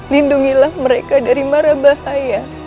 lindungilah mereka dari marah bahaya